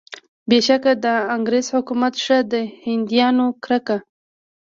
بېشکه د انګریز حکومت څخه د هندیانو کرکه.